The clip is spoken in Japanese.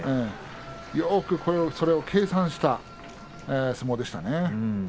よくそれを計算した相撲でしたね。